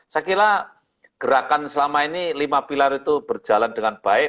saya kira gerakan selama ini lima pilar itu berjalan dengan baik